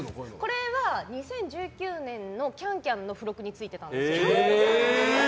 これは、２０１９年の「ＣａｎＣａｍ」の付録についてたんです。